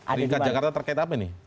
peringkat jakarta terkait apa ini